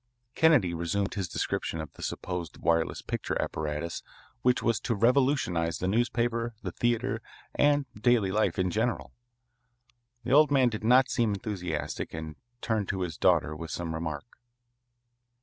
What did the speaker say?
Kennedy resumed his description of the supposed wireless picture apparatus which was to revolutionise the newspaper, the theatre, and daily life in general. The old man did not seem enthusiastic and turned to his daughter with some remark.